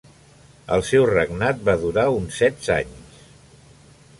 El seu regnat va durar uns setze anys.